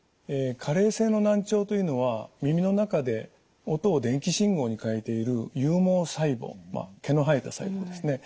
加齢性の難聴というのは耳の中で音を電気信号に変えている有毛細胞毛の生えた細胞ですね。